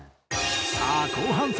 さあ後半戦。